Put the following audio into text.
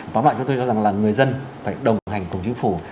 tóm lại cho tôi cho rằng là người dân phải đồng hành cùng chính phủ